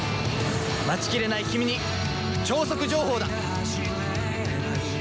待ちきれないキミに超速情報だ！